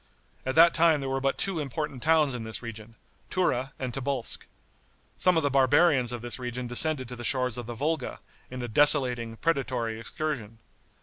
At that time there were but two important towns in this region, Tura and Tobolsk. Some of the barbarians of this region descended to the shores of the Volga, in a desolating, predatory excursion.